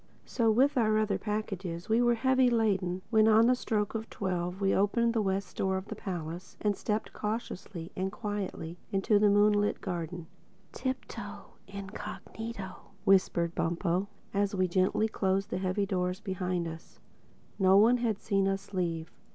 So, with our other packages, we were heavy laden when on the stroke of twelve we opened the west door of the palace and stepped cautiously and quietly into the moonlit garden. "Tiptoe incognito," whispered Bumpo as we gently closed the heavy doors behind us. No one had seen us leave.